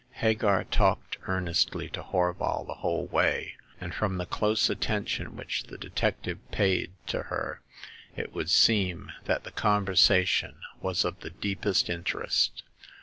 Hagar talked ear nestly to Horval the whole way ; and from the close attention which the detective paid to her it would seem that the conversation was of the deepest interest.